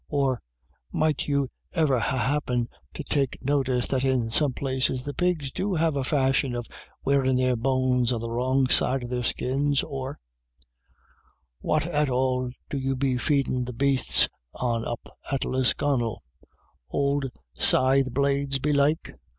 " or, " Might you iver ha' happint to take notice that in some places the pigs do have a fashion of wearin' their bones the wrong side o' their skins?" or, "What at all do you be feedin* the bastes on up at Lisconnel ? Ould scythe blades, belike